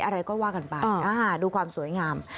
อะไรก็ว่ากันไปดูความสวยงาม